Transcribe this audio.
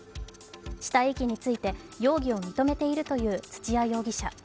死体遺棄について容疑を認めているという土屋容疑者。